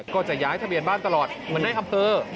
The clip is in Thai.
ก็จะย้ายทะเบียนบ้านตลอดเหมือนในอำเภอ